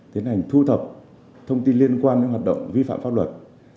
tiến hành thu thập thông tin liên quan đến hoạt động vi phạm pháp luật